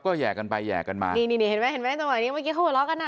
ก็แยกกันไปแยกกันมานี่นี่นี่เห็นไหมเห็นไหมตรงวันนี้เมื่อกี้เขาหยอกล้อกันอ่ะ